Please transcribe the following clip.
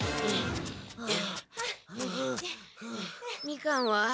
みかんは？